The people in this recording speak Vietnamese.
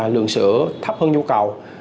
lượng sữa thấp hơn nhu cầu